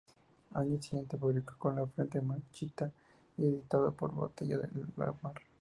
Año siguiente, publicó "Con la frente marchita", editado por Botella al mar.